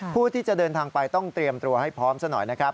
ผู้ที่จะเดินทางไปต้องเตรียมตัวให้พร้อมซะหน่อยนะครับ